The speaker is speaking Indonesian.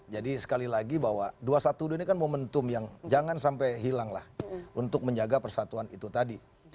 jadi sekali lagi bahwa dua ratus dua belas ini kan momentum yang jangan sampai hilang lah untuk menjaga persatuan itu tadi